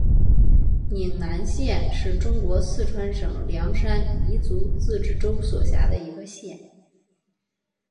宁南县是中国四川省凉山彝族自治州所辖的一个县。